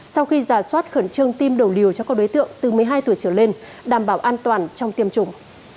sau khi giả soát khẩn trương tiêm đầu liều cho các đối tượng từ một mươi hai tuổi trở lên đảm bảo an toàn trong tiêm chủng